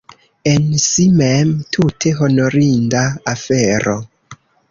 En si mem, tute honorinda afero.